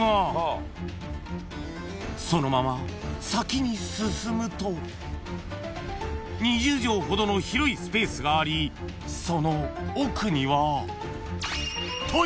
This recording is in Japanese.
［そのまま先に進むと２０畳ほどの広いスペースがありその奥には］